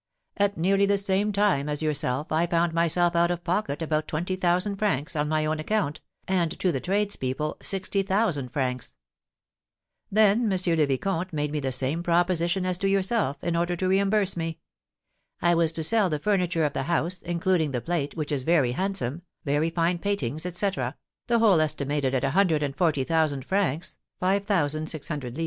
At nearly the same time as yourself I found myself out of pocket about twenty thousand francs on my own account, and, to the tradespeople, sixty thousand francs. Then M. le Vicomte made me the same proposition as to yourself, in order to reimburse me. I was to sell the furniture of the house, including the plate, which is very handsome, very fine paintings, etc., the whole estimated at a hundred and forty thousand francs (5,600_l._).